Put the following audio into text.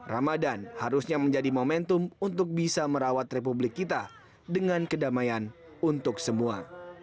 ramadan harusnya menjadi momentum untuk bisa merawat republik kita dengan kedamaian untuk semua